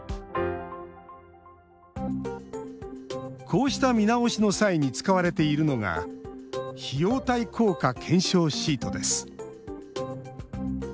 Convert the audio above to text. こうした見直しの際に使われているのが費用対効果検証シートです。